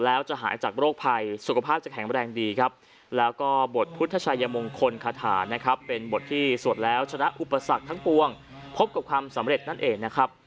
และเจ้าชนะอุปสรรคทั้งปวงพบกับความสำเร็จนั้นเองนะครับ